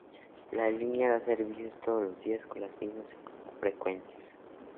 La línea da servicio todos los días con las mismas frecuencias.